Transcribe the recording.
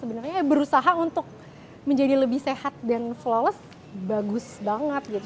sebenarnya berusaha untuk menjadi lebih sehat dan flowless bagus banget gitu